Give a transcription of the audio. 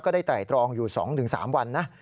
ได้ไตรตรองอยู่๒๓วันนะ